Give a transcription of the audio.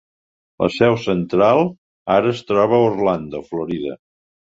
La seu central ara es troba a Orlando, Florida.